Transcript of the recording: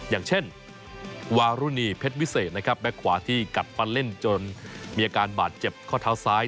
อย่างเช่นวารุณีเพชรวิเศษนะครับแก๊กขวาที่กัดฟันเล่นจนมีอาการบาดเจ็บข้อเท้าซ้าย